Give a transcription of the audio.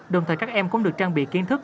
đồng thời các em cũng được trang bị kiến thức